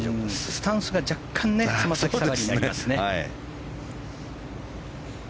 スタンスが若干つま先下がりになりますね。